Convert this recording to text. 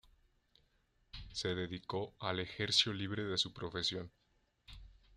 Se dedicó al ejerció libre de su profesión.